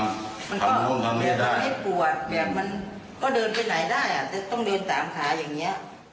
มันก็ไม่ปวดแบบมันก็เดินไปไหนได้จะต้องเดินตามหาอย่างนี้